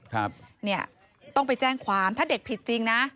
ครับเนี่ยต้องไปแจ้งความถ้าเด็กผิดจริงนะ